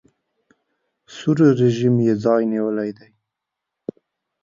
سور رژیم یې ځای نیولی دی.